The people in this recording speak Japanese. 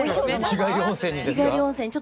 日帰り温泉にですか？